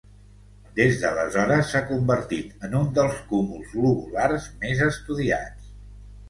Des d'aleshores s'ha convertit en un dels cúmuls globulars més estudiats.